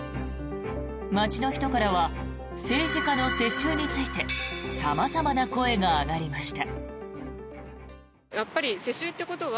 街の人からは政治家の世襲について様々な声が上がりました。